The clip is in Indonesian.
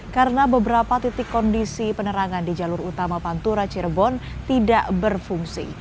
karena beberapa titik kondisi penerangan di jalur utama pantura cirebon tidak berfungsi